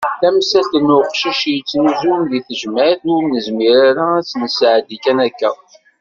Tamsalt n uqcic yettnusun deg tejmaɛt ur nezmir ara ad tt-nesɛeddi kan akka.